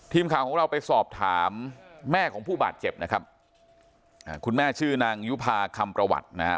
ทีมข่าวของเราไปสอบถามแม่ของผู้บาดเจ็บนะครับอ่าคุณแม่ชื่อนางยุภาคำประวัตินะฮะ